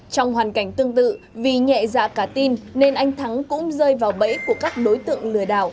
trong hoàn cảnh tương tự vì nhẹ dạ cả tin nên anh thắng cũng rơi vào bẫy của các đối tượng lừa đảo